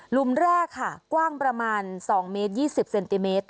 ลุมแรกค่ะกว้างประมาณ๒เมตร๒๐เซนติเมตร